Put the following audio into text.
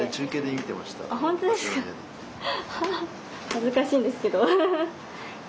恥ずかしいんですけど。